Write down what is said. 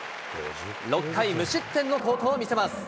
６回無失点の好投を見せます。